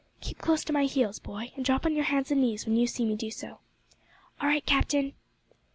Keep close to my heels, boy, and drop on your hands and knees when you see me do so." "All right, captain."